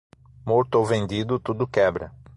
Morto ou vendido, tudo quebra.